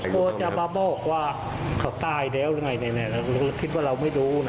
ก็จะบอกว่าเขาตายเนี่ยแล้วยังไงคือเราทิ้วว่าเราไม่ดูนะ